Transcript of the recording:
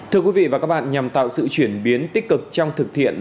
thưa quý vị và các bạn nhằm tạo sự chuyển biến tích cực trong thực hiện